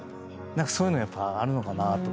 そういうのあるのかなと。